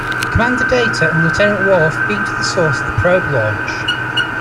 Commander Data, and Lieutenant Worf beam to the source of the probe launch.